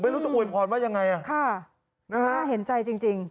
ไม่รู้จะอ่วยผ่อนว่ายังไงค่ะน่าเห็นใจจริง